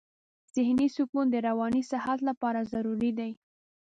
ذهني سکون د رواني صحت لپاره ضروري دی.